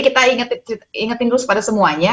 kita ingatin terus pada semuanya